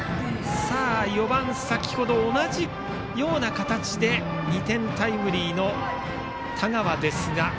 ４番、先程同じような形で２点タイムリーの田川ですが。